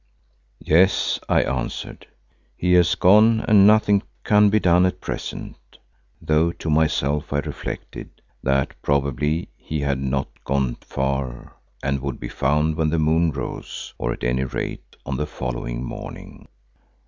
"Yes," I answered, "he has gone and nothing can be done at present," though to myself I reflected that probably he had not gone far and would be found when the moon rose, or at any rate on the following morning.